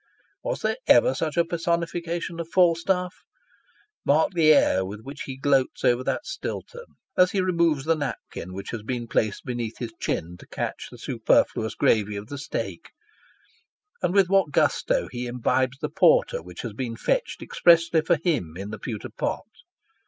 Was there ever such a personification of Falstaff ? Mark the air with which he gloats over that Stilton, as he removes the napkin which has been placed beneath his chin to catch the superfluous graVjr of the steak, and with what gusto he imbibes the porter which has been fetched, expressly for him, in the pewter pot.